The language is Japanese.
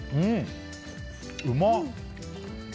うまっ！